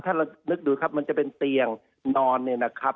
ถ้าเรานึกดูครับมันจะเป็นเตียงนอนเนี่ยนะครับ